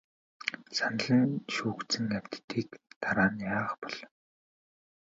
Санал нь шүүгдсэн амьтдыг дараа нь яах бол?